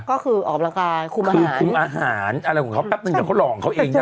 ก็คือออกประกาศคลุมอาหารคือคลุมอาหารอะไรของเขาแป๊บหนึ่งแต่เขาลองเขาเองได้